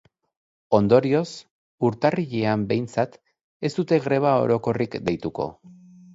Ondorioz, urtarrilean behintzat, ez dute greba orokorrik deituko.